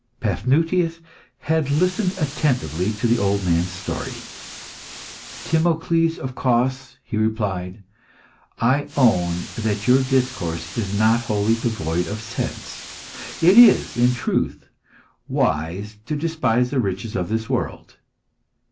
Paphnutius had listened attentively to the old man's story. "Timocles of Cos," he replied, "I own that your discourse is not wholly devoid of sense. It is, in truth, wise to despise the riches of this world.